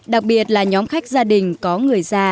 đặc biệt là nhóm khách gia đình có người già